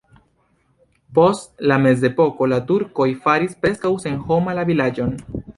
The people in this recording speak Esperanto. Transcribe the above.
Post la mezepoko la turkoj faris preskaŭ senhoma la vilaĝon.